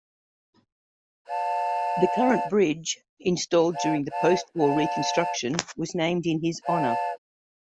The current bridge, installed during the post-war reconstruction, was named in his honor.